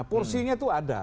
porsinya tuh ada